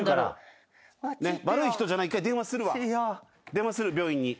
電話する病院に。